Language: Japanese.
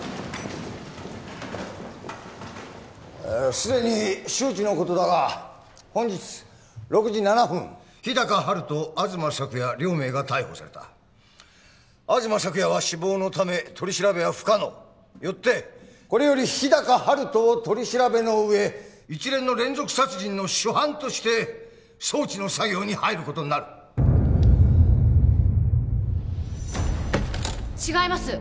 すでに周知のことだが本日６時７分日高陽斗東朔也両名が逮捕された東朔也は死亡のため取り調べは不可能よってこれより日高陽斗を取り調べの上一連の連続殺人の主犯として送致の作業に入ることになる違います！